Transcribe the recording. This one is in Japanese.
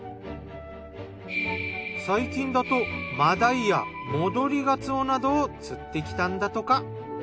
最近だと真鯛や戻りガツオなどを釣ってきたんだとか。